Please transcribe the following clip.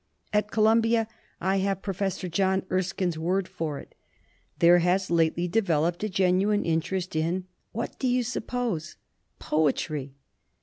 At Columbia I have Prof. John Erskine's word for it there has lately de veloped a genuine interest in what do you sup pose? Poetry!